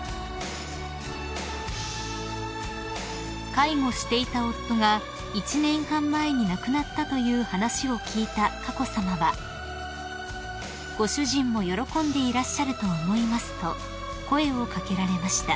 ［介護していた夫が１年半前に亡くなったという話を聞いた佳子さまは「ご主人も喜んでいらっしゃると思います」と声を掛けられました］